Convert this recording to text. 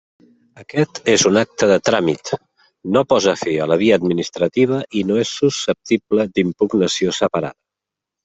Aquest és un acte de tràmit, no posa fi a la via administrativa i no és susceptible d'impugnació separada.